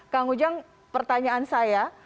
kang ujang pertanyaan saya